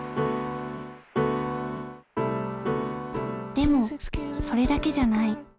でもそれだけじゃない。